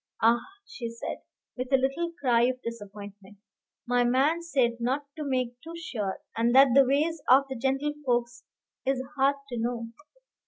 "Ah!" she said, with a little cry of disappointment, "my man said not to make too sure, and that the ways of the gentlefolks is hard to know."